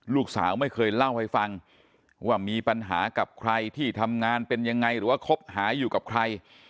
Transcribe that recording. ลูกสาวไม่เคยเล่าให้ฟังว่ามีปัญหากับใครที่ทำงานเป็นยังไงหรือว่าคบหาอยู่กับใคร